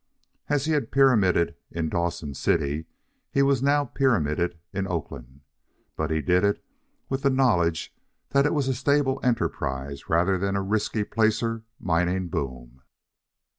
As he had pyramided in Dawson City, he now pyramided in Oakland; but he did it with the knowledge that it was a stable enterprise rather than a risky placer mining boom.